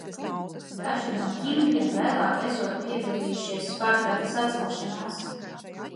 Daži no kimbriem vēlāk esot piedalījušies Spartaka sacelšanās.